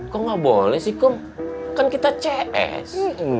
kok nggak boleh sih kum kan kita cs